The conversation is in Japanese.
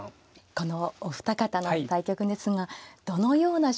このお二方の対局ですがどのような将棋になりそうでしょうか？